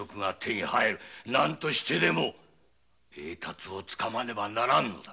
何としてでも栄達をつかまねばならん。